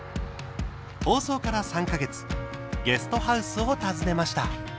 放送から３か月ゲストハウスを訪ねました。